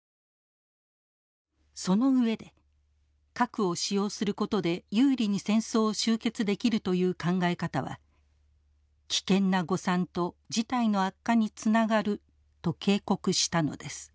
その上で核を使用することで有利に戦争を終結できるという考え方は危険な誤算と事態の悪化につながると警告したのです。